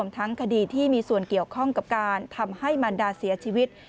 ทั้งคดีที่มีส่วนเกี่ยวข้องกับการทำให้มันดาเสียชีวิต